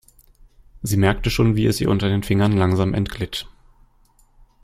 Sie merkte schon, wie es ihr unter den Fingern langsam entglitt.